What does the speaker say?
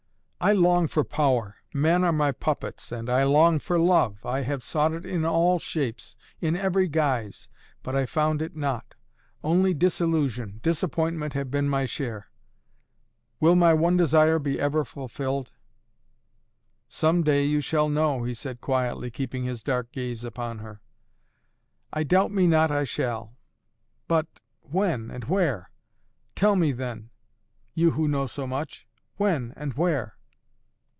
"I long for power. Men are my puppets. And I long for love! I have sought it in all shapes, in every guise. But I found it not. Only disillusion disappointment have been my share. Will my one desire be ever fulfilled?" "Some day you shall know," he said quietly, keeping his dark gaze upon her. "I doubt me not I shall! But when and where? Tell me then, you who know so much! When and where?"